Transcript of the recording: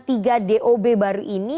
tiga dob baru ini